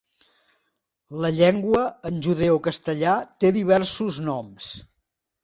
La llengua, en judeocastellà, té diversos noms.